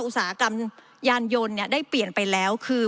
อุตสาหกรรมยานยนต์ได้เปลี่ยนไปแล้วคือ